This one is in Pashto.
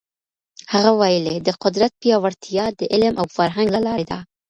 هغه ویلي، د قدرت پیاوړتیا د علم او فرهنګ له لاري ده.